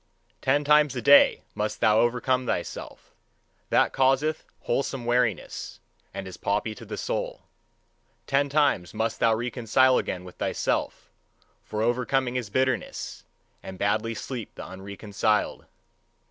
Ten times a day must thou overcome thyself: that causeth wholesome weariness, and is poppy to the soul. Ten times must thou reconcile again with thyself; for overcoming is bitterness, and badly sleep the unreconciled.